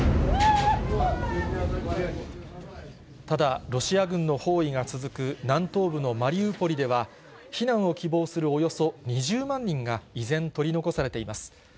ただ、ロシア軍の包囲が続く南東部のマリウポリでは、避難を希望するおよそ２０万人が、依然、取り残されています。